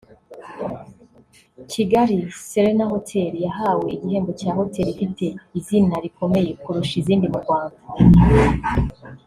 Kigali Serena Hoteli yahawe igihembo cya hoteli ifite izina rikomeye kurusha izindi mu Rwanda